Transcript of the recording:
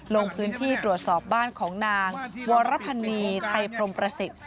ลงพื้นที่ตรวจสอบบ้านของนางวรพันนีชัยพรมประสิทธิ์